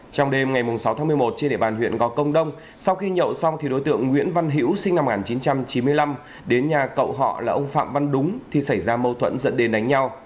trong đêm ngày sáu tháng một mươi một trên địa bàn huyện gò công đông sau khi nhậu xong thì đối tượng nguyễn văn hữu sinh năm một nghìn chín trăm chín mươi năm đến nhà cậu họ là ông phạm văn đúng thì xảy ra mâu thuẫn dẫn đến đánh nhau